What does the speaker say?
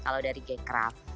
kalau dari g craft